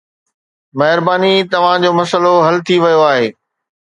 مهرباني، توهان جو مسئلو حل ٿي ويو آهي.